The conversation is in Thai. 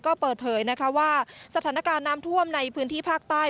ก็เปิดเผยนะคะว่าสถานการณ์น้ำท่วมในพื้นที่ภาคใต้